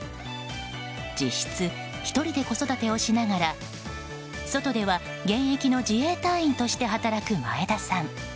実質１人で子育てをしながら外では現役の自衛隊員として働く前田さん。